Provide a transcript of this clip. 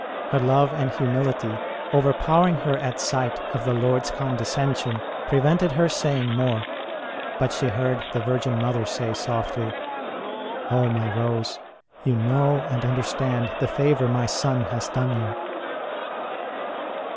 Her love and humility, overpowering her at sight of the Lord s condescension, prevented her saying more ; but she heard the Virgin Mother say softly :" Oh my Rose, you know and understand the favour my Son has done you